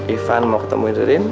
ivan mau ketemu ririn